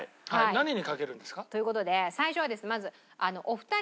何にかけるんですか？という事で最初はまず。